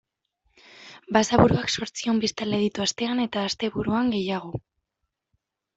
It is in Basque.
Basaburuak zortziehun biztanle ditu astean eta asteburuan gehiago.